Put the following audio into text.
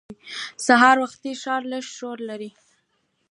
سهار وختي ښار لږ شور لري